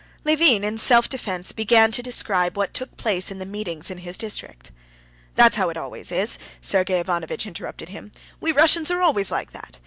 Levin in self defense began to describe what took place in the meetings in his district. "That's how it always is!" Sergey Ivanovitch interrupted him. "We Russians are always like that.